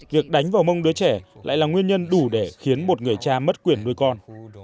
việc đánh vào mông đứa trẻ lại là nguyên nhân đủ để khiến một người cha mất quyền nuôi con